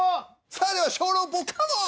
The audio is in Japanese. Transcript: さあでは小籠包カモン！